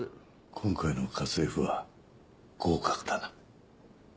今回の家政婦は合格だな。